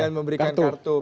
yang memberikan kartu